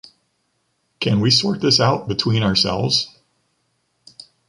Can we sort this out between ourselves?